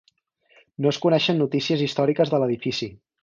No es coneixen notícies històriques de l'edifici.